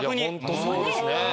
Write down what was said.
本当そうですね。